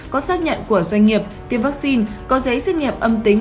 có xác nhận của doanh nghiệp tiêm vaccine có giấy xét nghiệm âm tính